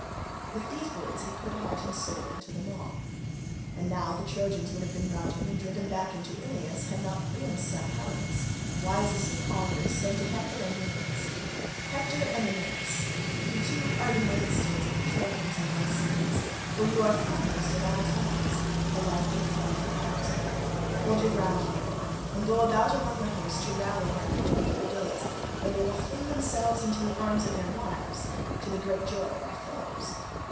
With these words he put heart and soul into them all. And now the Trojans would have been routed and driven back into Ilius, had not Priam's son Helenus, wisest of augurs, said to Hector and Aeneas, "Hector and Aeneas, you two are the mainstays of the Trojans and Lycians, for you are foremost at all times, alike in fight and counsel; hold your ground here, and go about among the host to rally them in front of the gates, or they will fling themselves into the arms of their wives, to the great joy of our foes.